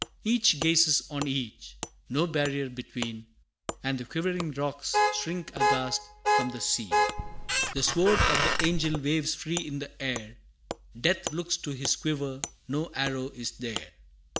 Each gazes on each, no barrier between And the quivering rocks shrink aghast from the scene! The sword of the angel waves free in the air; Death looks to his quiver, no arrow is there!